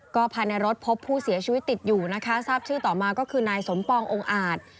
ก็ภายในรถพบผู้เสียชีวิตติดอยู่นะคะทราบชื่อต่อมาก็คือนายสมปององค์อาจ